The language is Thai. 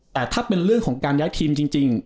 แต่ถ้าเป็นเรื่องของการย้ายทีมจริง